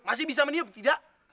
masih bisa meniup tidak